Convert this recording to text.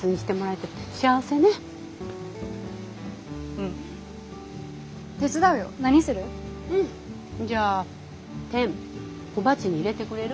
うんじゃあてん小鉢に入れてくれる？